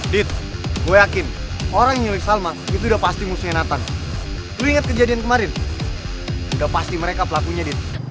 dit gue yakin orang yang nyulik salma itu udah pasti musuhnya nathan lo inget kejadian kemarin udah pasti mereka pelakunya dit